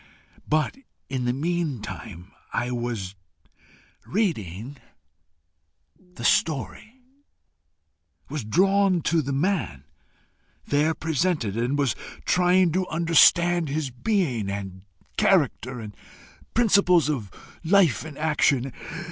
But in the meantime I was reading the story was drawn to the man there presented and was trying to understand his being, and character, and principles of life and action.